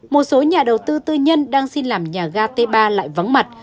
một số nhà đầu tư tư nhân đang xin làm nhà ga t ba lại vắng mặt